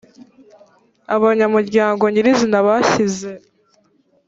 abanyamuryango nyiri izina bashyize